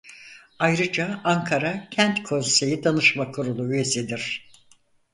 Ayrıca Ankara Kent Konseyi Danışma Kurulu üyesidir.